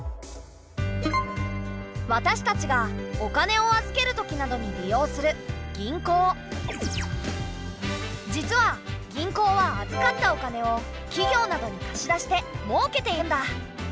私たちがお金を預ける時などに利用する実は銀行は預かったお金を企業などに貸し出して儲けているんだ。